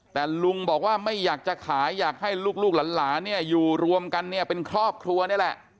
แต่ลุงบอกว่าไม่อยากจะขายอยากให้ลูกหลานเนี่ยอยู่รวมกันเนี่ยเป็นครอบครัวนี่แหละ